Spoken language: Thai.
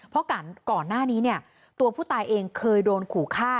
เพราะก่อนหน้านี้เนี่ยตัวผู้ตายเองเคยโดนขู่ฆ่า